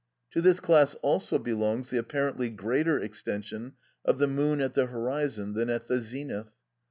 To this class also belongs the apparently greater extension of the moon at the horizon than at the zenith.